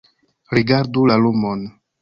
Rigardu la lumon